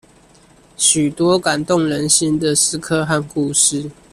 許多感動人心的時刻和故事